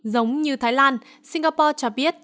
giống như thái lan singapore cho biết